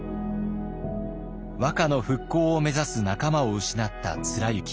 和歌の復興を目指す仲間を失った貫之。